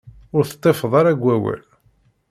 Ur teṭṭifeḍ ara deg awal.